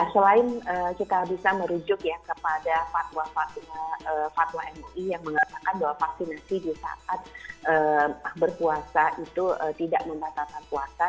selain kita bisa merujuk ya kepada fatwa fatwa mui yang mengatakan bahwa vaksinasi di saat berpuasa itu tidak membatalkan puasa